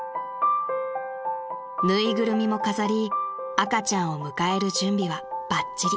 ［縫いぐるみも飾り赤ちゃんを迎える準備はばっちり］